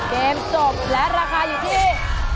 เกมจบและราคาอยู่ที่